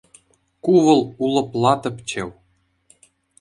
Ку вӑл — улӑпла тӗпчев.